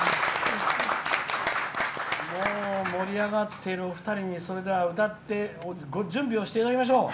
盛り上がってるお二人にそれでは準備をしていただきましょう。